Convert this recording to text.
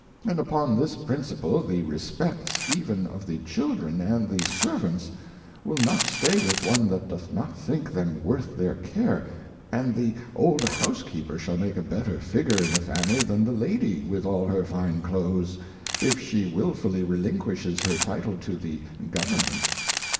And upon this principle the respects even of the Children and the Servants will not stay with one that doth not think them worth their Care, and the old House keeper shall make a better Figure in the Family, than the Lady with all her fine Cloaths, if she wilfully relinquishes her Title to the Government.